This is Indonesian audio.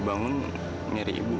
dia bangun nyari ibu